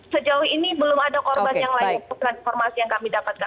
sejauh ini belum ada korban yang lain transformasi yang kami dapatkan